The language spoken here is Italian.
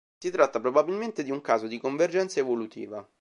Si tratta probabilmente di un caso di convergenza evolutiva.